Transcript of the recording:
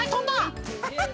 ハハハ！